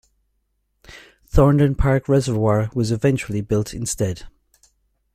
Thorndon Park reservoir was eventually built instead.